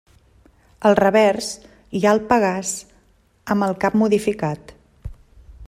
Al revers, hi ha el Pegàs amb el cap modificat.